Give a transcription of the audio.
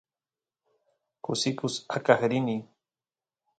kusikus aqaq rini